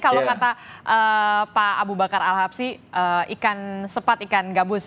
karena pak abu bakar al habsi ikan sepat ikan gabus